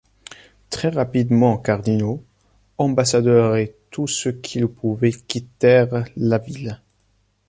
Très rapidement cardinaux, ambassadeurs et tous ceux qui le pouvaient quittèrent la ville.